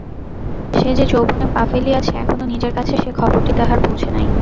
সে যে যৌবনে পা ফেলিয়াছে এখনো নিজের কাছে সে খবরটি তাহার পৌঁছে নাই।